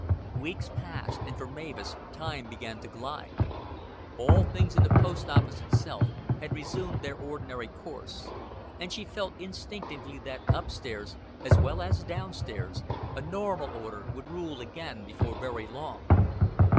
Weeks passed, and for Mavis time began to glide. All things in the post office itself had resumed their ordinary course, and she felt instinctively that up stairs, as well as down stairs, a normal order would rule again before very long.